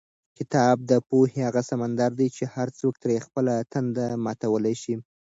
کتاب د پوهې هغه سمندر دی چې هر څوک ترې خپله تنده ماتولی شي.